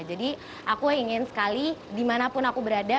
jadi aku ingin sekali dimanapun aku berada